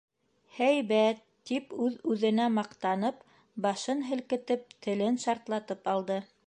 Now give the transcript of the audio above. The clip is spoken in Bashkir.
Һәйбәт тип, үҙ-үҙенә маҡтанып, башын һелкетеп, телен шартлатып алды.